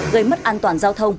gây mất an toàn giao thông